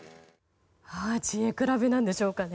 知恵比べなんでしょうかね。